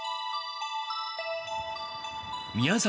宮崎